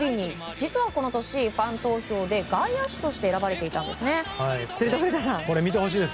実はこの年ファン投票で外野手として選ばれていたんです。